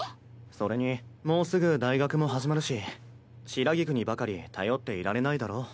それにもうすぐ大学も始まるし白菊にばかり頼っていられないだろう。